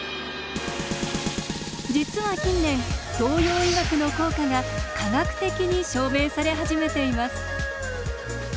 実は近年東洋医学の効果が科学的に証明され始めています。